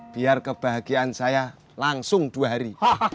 biar kebahagiaan saya langsung dua hari